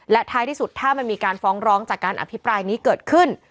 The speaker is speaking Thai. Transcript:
และท้ายที่สุดถ้ามันมีการฟ้องร้องจากการอภิปรายนี้เกิดขึ้น